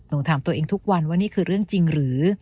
ถามตัวเองทุกวันว่านี่คือเรื่องจริงหรือ